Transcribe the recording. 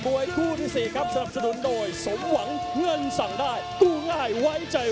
โปรดติดตามต่อไป